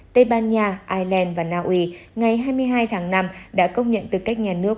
tây ban nha ireland và naui ngày hai mươi hai tháng năm đã công nhận tư cách nhà nước